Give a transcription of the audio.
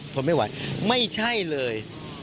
ทนไม่ไหวไม่ใช่เลย